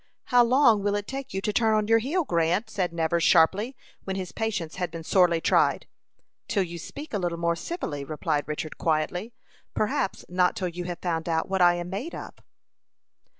"How long will it take you to turn on your heel, Grant?" said Nevers, sharply, when his patience had been sorely tried. "Till you speak a little more civilly," replied Richard, quietly. "Perhaps not till you have found out what I am made of."